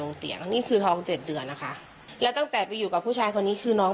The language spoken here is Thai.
เตียงนี่คือทองเจ็ดเดือนนะคะแล้วตั้งแต่ไปอยู่กับผู้ชายคนนี้คือน้อง